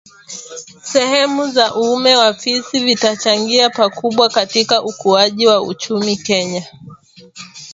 sehemu za uume wa fisi vitachangia pakubwa katika ukuaji wa uchumi wa Kenya